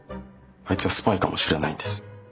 あいつはスパイかもしれないんです。